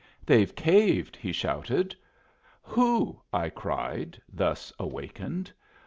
"They've caved!" he shouted. "Who?" I cried, thus awakened.